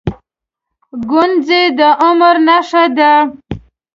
گونځې د عمر نښه ده.